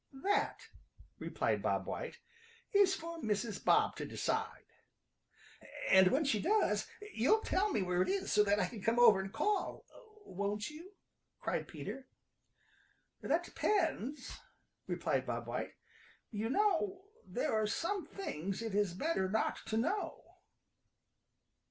"That," replied Bob White, "is for Mrs. Bob to decide." "And when she does you'll tell me where it is so that I can come over and call, won't you?" cried Peter. "That depends," replied Bob White. "You know there are some things it is better not to know."